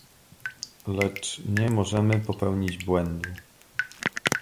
Lecz nie możemy popełnić błędu